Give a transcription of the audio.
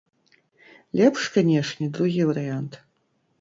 Лепш канечне другі варыянт.